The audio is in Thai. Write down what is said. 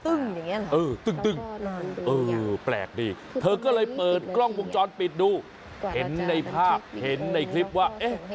เออแปลกดีเธอก็เลยเปิดกล้องวงจรปิดดูเห็นในภาพเห็นในคลิปว่าเอ๊ะ